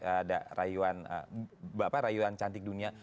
ada rayuan cantik dunia